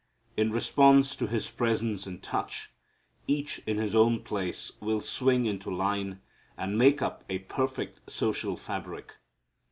In response to His presence and touch, each in his own place will swing into line and make up a perfect social fabric.